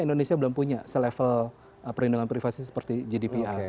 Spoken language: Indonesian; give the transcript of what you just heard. indonesia belum punya selevel perlindungan privasi seperti gdpr